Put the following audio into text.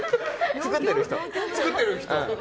作ってる人。